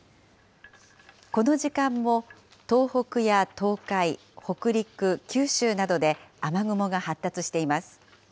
この時間も東北や東海、北陸、九州などで雨雲が発達しています。